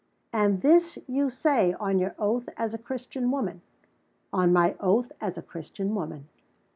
"And this you say, on your oath as a Christian woman?" "On my oath as a Christian woman."